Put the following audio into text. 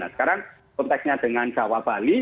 sekarang konteksnya dengan jawa bali